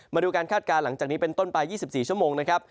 มาดูการคาดการณ์หลังจากนี้เป็นต้นไป๒๔ชั่วโมงนะครับ